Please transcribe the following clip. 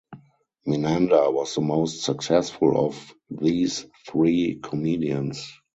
Menander was the most successful of these three comedians.